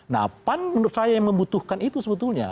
nah pan menurut saya yang membutuhkan itu sebetulnya